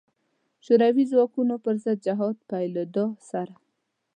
شوروي ځواکونو پر ضد جهاد پیلېدا سره.